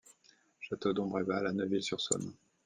Château d'Ombreval, à Neuville-sur-Saône.